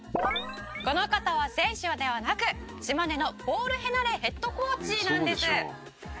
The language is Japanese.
「この方は選手ではなく島根のポール・ヘナレヘッドコーチなんです」